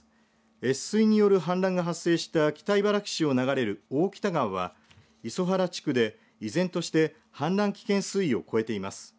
越水による氾濫が発生した北茨城市を流れる大北川は磯原地区で依然として氾濫危険水位を超えています。